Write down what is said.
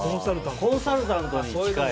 コンサルタントに近い。